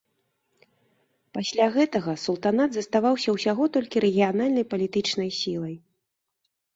Пасля гэтага султанат заставаўся ўсяго толькі рэгіянальнай палітычнай сілай.